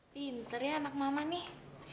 pinter ya anak mama nih